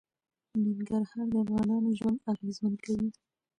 ننګرهار د افغانانو ژوند اغېزمن کوي.